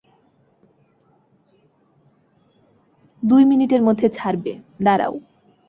দুই মিনিটের মধ্যে ছাড়বে, দাঁড়াও।